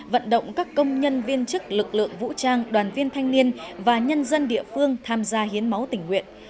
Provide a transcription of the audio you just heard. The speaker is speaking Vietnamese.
vận động các công nhân viên chức lực lượng vũ trang đoàn viên thanh niên và nhân dân địa phương tham gia hiến máu tình nguyện